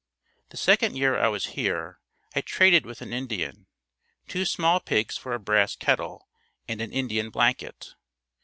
The second year I was here, I traded with an Indian, two small pigs for a brass kettle and an Indian blanket.